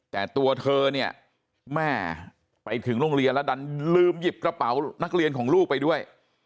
แต่ตัวเธอเนี่ยแม่ไปถึงโรงเรียนแล้วดันลืมหยิบกระเป๋านักเรียนของลูกไปด้วย